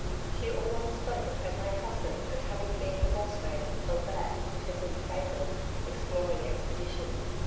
She always spoke of her late husband as having been the Boss mate on that to him fatal exploring expedition.